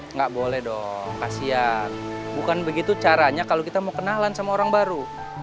nggak boleh dong kasian bukan begitu caranya kalau kita mau kenalan sama orang baru